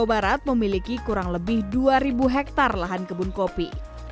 jawa barat memiliki kurang lebih dua ribu hektar lahan kebun kopi